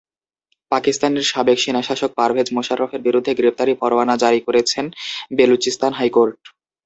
পাকিস্তানের সাবেক সেনাশাসক পারভেজ মোশাররফের বিরুদ্ধে গ্রেপ্তারি পরোয়ানা জারি করেছেন বেলুচিস্তান হাইকোর্ট।